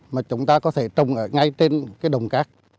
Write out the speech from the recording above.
mà chúng ta có thể trồng ở ngay trên cái đồng cát